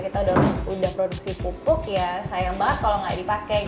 kita udah produksi pupuk ya sayang banget kalau nggak dipakai